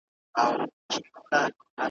لوږي ځپلي یخني یې وژني `